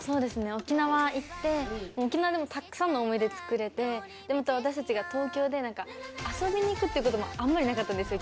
沖縄行って沖縄でもたくさんの思い出つくれてまた私たちが東京で遊びに行くっていうことあんまりなかったんですよ